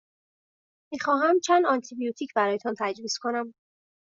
می خواهمم چند آنتی بیوتیک برایتان تجویز کنم.